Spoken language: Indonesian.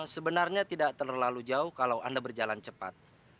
sebenarnya tidak terlalu jauh kalau anda berjalan cepat